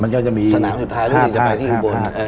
มันก็จะมีสนามสุดท้ายรู้สึกจะไปที่อุบรณ์